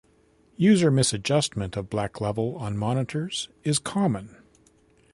User misadjustment of black level on monitors is common.